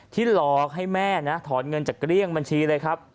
หลอกให้แม่นะถอนเงินจากเกลี้ยงบัญชีเลยครับ